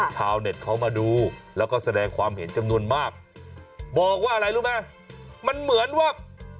ชาวเน็ตเขามาดูแล้วก็แสดงความเห็นจำนวนมากบอกว่าอะไรรู้ไหมมันเหมือนว่า